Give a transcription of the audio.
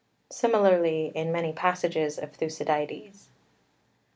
Similarly in many passages of Thucydides.